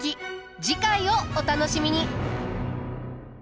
次回をお楽しみに。